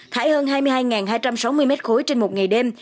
thải hơn hai mươi hai hai trăm sáu mươi m ba trên một ngày đêm